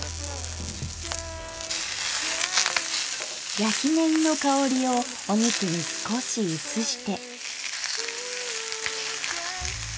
焼きねぎの香りをお肉に少し移して。